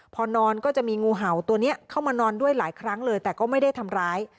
พอนอนก็จะมีงูเห่าตัวนี้เข้ามานอนด้วยหลายครั้งเลยแต่ก็ไม่ได้ทำร้าย